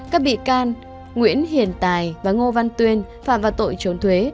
các bị can nguyễn hiền tài và ngô văn tuyên phạm vào tội trốn thuế